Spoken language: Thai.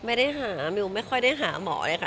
ไม่ได้หามิวไม่ค่อยได้หาหมอเลยค่ะ